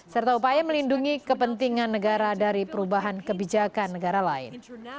serta upaya melindungi kepentingan negara dari perubahan kebijakan negara lain